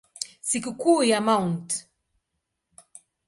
Sikukuu ya Mt.